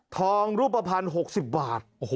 ทองรูปภัณฑ์๖๐บาท